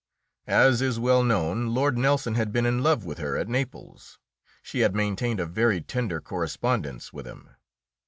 As is well known, Lord Nelson had been in love with her at Naples; she had maintained a very tender correspondence with him.